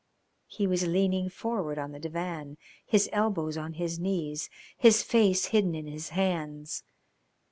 He was leaning forward on the divan, his elbows on his knees, his face hidden in his hands.